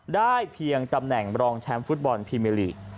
ได้เพียงตำแหน่งรองแชมป์ฟุตบอลพรีเมอร์ลีก